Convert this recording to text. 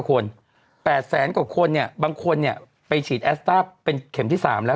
๘๐๐๐๐๐กว่าคนบางคนไปฉีดแอสต้าเป็นเข็มที่๓แล้ว